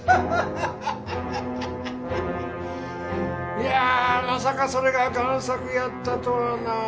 いやあまさかそれが贋作やったとはな。